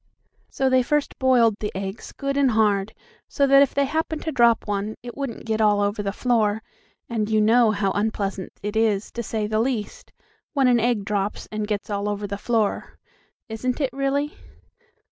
So they first boiled the eggs good and hard, so that if they happened to drop one, it wouldn't get all over the floor, and you know how unpleasant it is, to say the least, when an egg drops, and gets all over the floor. Isn't it, really?